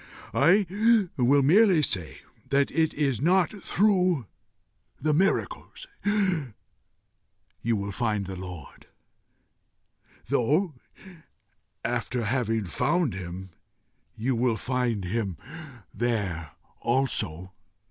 I will merely say that it is not through the miracles you will find the Lord, though, having found him, you will find him there also.